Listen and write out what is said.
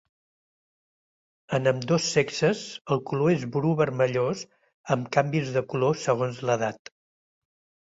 En ambdós sexes el color és bru vermellós amb canvis de color segons l'edat.